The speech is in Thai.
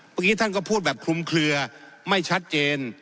เมื่อกี้ท่านก็พูดแบบคลุมเคลือไม่ชัดเจน